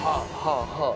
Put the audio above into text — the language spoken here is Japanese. はあはあ。